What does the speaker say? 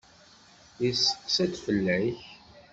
Yesteqsa-d fell-ak.